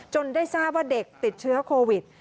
ได้ทราบว่าเด็กติดเชื้อโควิด